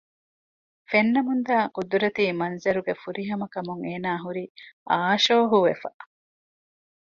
ފެންނަމުންދާ ޤުދުރަތީ މަންޒަރުގެ ފުރިހަމަކަމުން އޭނާ ހުރީ އާޝޯހުވެފަ